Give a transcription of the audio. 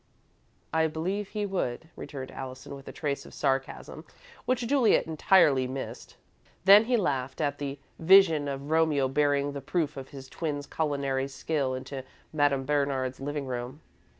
"I believe he would," returned Allison, with a trace of sarcasm which Juliet entirely missed. Then he laughed at the vision of Romeo bearing the proof of his twin's culinary skill into Madame Bernard's living room.